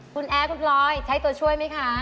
คุณแอร์คุณพลอยใช้ตัวช่วยไหมคะ